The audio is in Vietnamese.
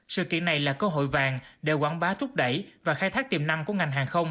sự kiện này là cơ hội vàng để quảng bá thúc đẩy và khai thác tiềm năng của ngành hàng không